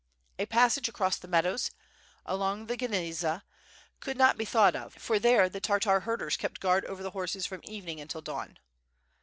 A passage across the meadows, along the Gniezna could not be thought of, for there the Tartar herders kept guard over the horses from evening until dawn.